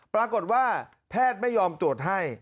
ปรากฏว่าแพทย์ไม่ยอมตรวจให้